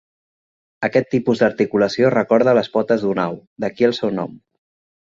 Aquest tipus d"articulació recorda les potes d"una au, d"aquí el seu nom.